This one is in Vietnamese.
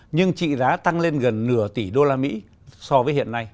nhưng trị giá tăng lên gần nửa tỷ usd